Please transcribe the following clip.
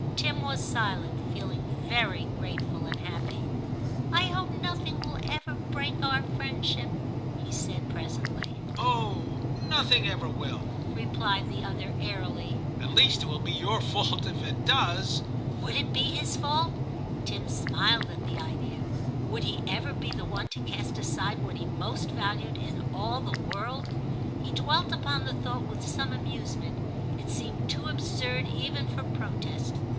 Tim was silent, feeling very grateful and happy. ' I hope nothing will ever break our friendship,' he said presently. * Oh ! nothing ever will,' replied the other 1 84 TIM CHAP. airily; *at least it will be your fault if it does/ Would it be his fault ? Tim smiled at the idea. Would he ever be the one to cast aside what he most valued in all the world ? He dwelt upon the thought with some amuse ment ; it seemed too absurd even for protest.